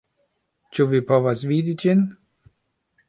Ĉu vi povas vidi ĝin?